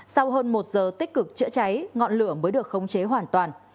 sau hơn một giờ tích cực chữa cháy ngọn lửa mới được khống chế hoàn toàn